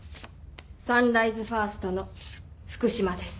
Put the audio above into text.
サンライズファーストの福島です。